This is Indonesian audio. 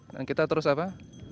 dan kita terus apa